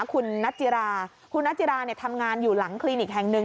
คุณนัทจิราคุณนัจจิราทำงานอยู่หลังคลินิกแห่งหนึ่ง